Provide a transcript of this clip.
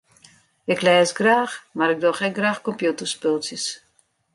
Ik lês graach mar ik doch ek graach kompjûterspultsjes.